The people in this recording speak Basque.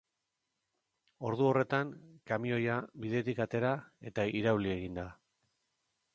Ordu horretan, kamioia bidetik atera eta irauli egin da.